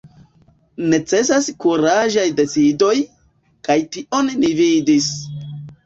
Necesas kuraĝaj decidoj, kaj tion ni vidis.